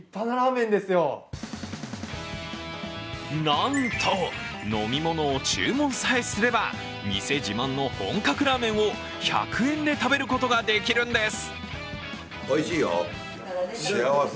なんと飲み物を注文さえすれば店自慢の本格ラーメンを１００円で食べることができるんです。